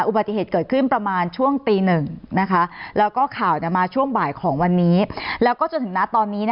อุบัติเหตุเกิดขึ้นประมาณช่วงตีหนึ่งแล้วก็ข่าวมาช่วงบ่ายของวันนี้แล้วก็จนถึงณตอนนี้